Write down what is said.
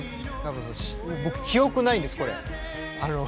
僕記憶ないんですこれ。